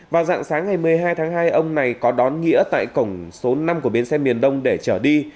vào dạng sáng ngày một mươi hai tháng hai ông này có đón nghĩa tại cổng số năm của bến xe miền đông để trở đi